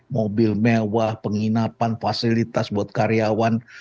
mobil mewah penginapan fasilitas buat karyawan